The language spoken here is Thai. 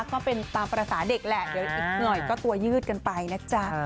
ก็เป็นตามภาษาเด็กแหละเดี๋ยวอีกหน่อยก็ตัวยืดกันไปนะจ๊ะ